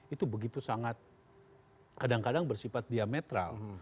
itu begitu sangat kadang kadang bersifat diametral